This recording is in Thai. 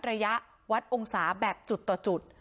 ระยะวัดองศาแบบจุดต่อจุด